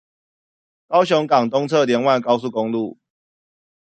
高雄港東側聯外高速公路